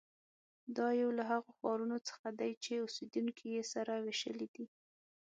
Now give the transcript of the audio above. دا یو له هغو ښارونو څخه دی چې اوسېدونکي یې سره وېشلي دي.